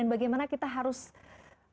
bagaimana kita harus memaknai ini